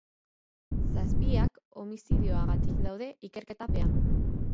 Zazpiak homizidioagatik daude ikerketapean.